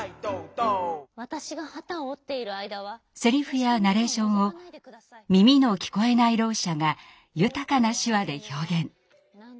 セリフやナレーションを耳の聞こえないろう者が豊かな手話で表現。